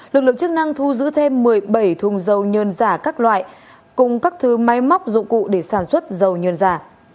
lực lượng chức năng thu giữ thêm một mươi bảy thùng dầu nhơn giả các loại cùng các thứ máy móc dụng cụ để sản xuất dầu nhân giả